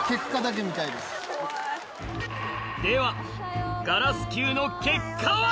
ではガラス球の結果は？